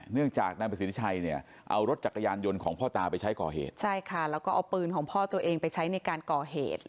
เนื่องจากนายประสิทธิชัยเนี่ยเอารถจักรยานยนต์ของพ่อตาไปใช้ก่อเหตุ